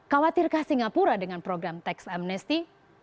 khawatirkah singapura dengan program tax amnesty